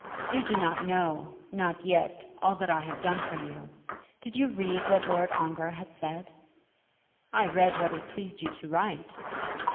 You do not know, not yet, all that I have done for you. Did you read what Lord Ongar had said?" "I read what it pleased you to write."